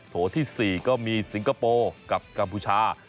โถที่๔ก็มีสิงคโปร์กับกัมพูชา